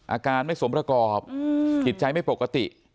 อาการไม่สมประกอบจิตใจไม่ปกติ